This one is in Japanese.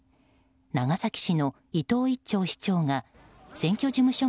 長崎市の伊藤一長市長が選挙事務所